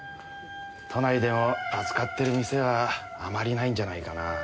都内でも扱ってる店はあまりないんじゃないかな。